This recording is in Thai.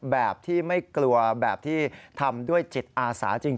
แบบที่ไม่กลัวแบบที่ทำด้วยจิตอาสาจริง